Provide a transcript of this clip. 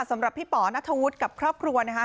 สำหรับพี่ป๋อนัทธวุฒิกับครอบครัวนะคะ